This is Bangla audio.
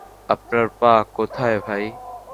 আপনার পা কোথায় ভাই?